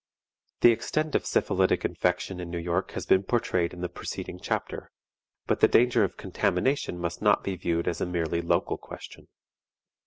The extent of syphilitic infection in New York has been portrayed in the preceding chapter, but the danger of contamination must not be viewed as a merely local question.